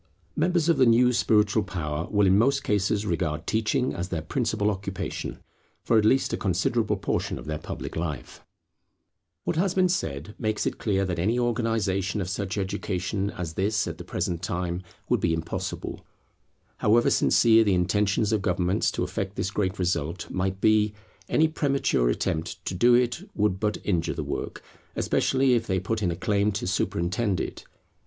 Members of the new spiritual power will in most cases regard teaching as their principal occupation, for at least a considerable portion of their public life. [We are not ripe for this system at present; and Government must not attempt to hasten its introduction] What has been said makes it clear that any organization of such education as this at the present time would be impossible. However sincere the intentions of governments to effect this great result might be, any premature attempt to do it would but injure the work, especially if they put in a claim to superintend it.